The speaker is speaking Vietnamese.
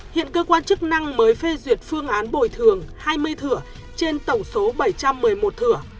hiện cơ quan chức năng mới phê duyệt phương án bồi thường hai mươi thửa trên tổng số bảy trăm một mươi một thửa